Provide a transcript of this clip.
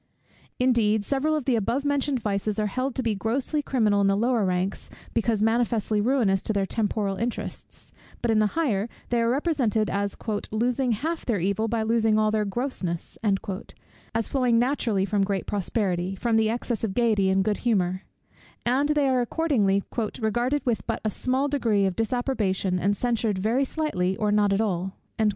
Indeed, several of the above mentioned vices are held to be grossly criminal in the lower ranks, because manifestly ruinous to their temporal interests: but in the higher, they are represented as "losing half their evil by losing all their grossness," as flowing naturally from great prosperity, from the excess of gaiety and good humour; and they are accordingly "regarded with but a small degree of disapprobation, and censured very slightly or not at all."